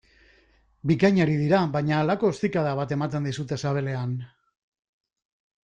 Bikain ari dira, baina halako ostikada bat ematen dizute sabelean...